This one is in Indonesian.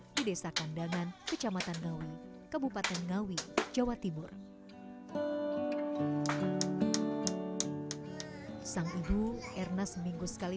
di desa kandangan kecamatan gawi kebupaten gawi jawa tibur sang ibu erna seminggu sekali